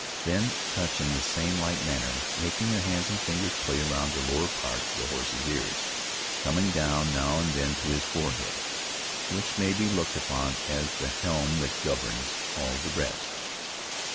Then touch in the same light manner, making your hands and fingers play around the lower part of the horse's ears, coming down now and then to his forehead, which may be looked upon as the helm that governs all the rest.